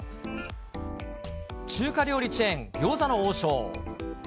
中華料理チェーン、餃子の王将。